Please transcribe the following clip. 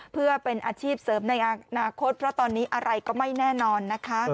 เพื่อเป็นอาชีพเสริมในอนาคตเพราะตอนนี้อะไรก็ไม่แน่นอนนะคะ